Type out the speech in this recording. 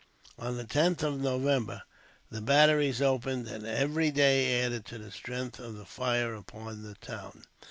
On the 10th of November the batteries opened, and every day added to the strength of the fire upon the town.